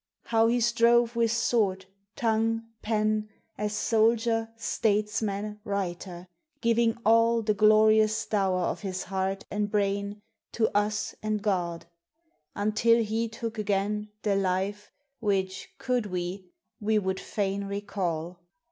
How he strove with sword, tongue, pen, As soldier, statesman, writer! giving all The glorious dower of his heart and brain To us and God: until He took again The life, which could we, we would fain recall.